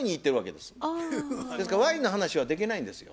ですからワインの話はできないんですよ。